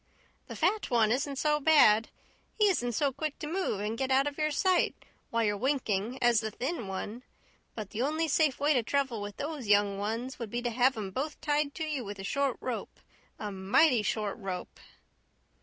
"The fat one isn't so bad. He isn't so quick to move and get out of your sight while you're winking as the thin one. But the only safe way to travel with those young ones would be to have 'em both tied to you with a short rope a MIGHTY short rope."